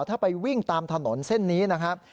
ถ้าไปวิ่งตามถนนเส้นนี้นะครับ